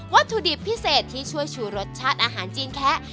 ถุดิบพิเศษที่ช่วยชูรสชาติอาหารจีนแคะ